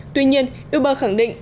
tuy nhiên uber khẳng định